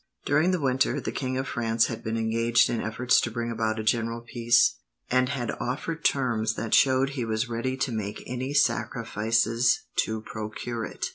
During the winter, the King of France had been engaged in efforts to bring about a general peace, and had offered terms that showed he was ready to make any sacrifices to procure it.